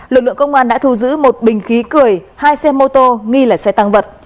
lực lượng công an đã thu giữ một bình khí cười hai xe mô tô nghi là xe tăng vật